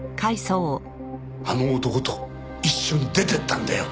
あの男と一緒に出ていったんだよ。